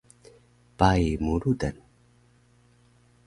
Pai mu rudan